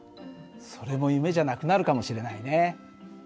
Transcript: それも夢じゃなくなるかもしれないね。